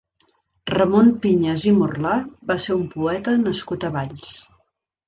Ramon Piñas i Morlà va ser un poeta nascut a Valls.